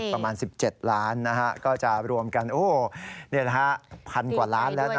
อีกประมาณ๑๗๐๐๐๐๐๐ก็จะรวมกันในระถา๑๐๐๐กว่าล้านแล้วนะครับ